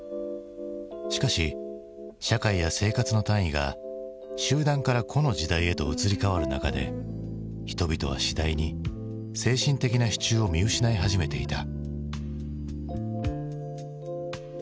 しかし社会や生活の単位が集団から個の時代へと移り変わる中で人々は次第に精神的な支柱を見失い始めていた。